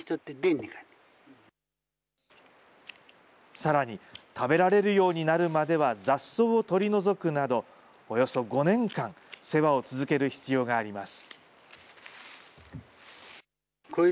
さらに、食べられるようになるまでは雑草を取り除くなど、およそ５年間、世話を続ける必要があります。